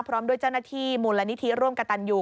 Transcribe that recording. พร้อมด้วยเจ้าหน้าที่มูลนิธิร่วมกับตันยู